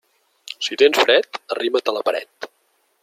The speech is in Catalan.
Si tens fred, arrima't a la paret.